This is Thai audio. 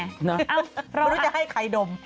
ไม่รู้จะให้ใครดม